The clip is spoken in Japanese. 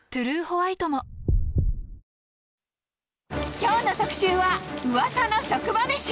きょうの特集は、ウワサの職場めし。